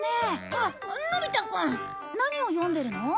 わあっのび太くん！何を読んでるの？